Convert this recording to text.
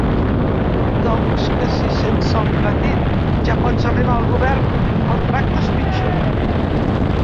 Doncs que si sense el petit ja pots arribar al govern el tractes pitjor.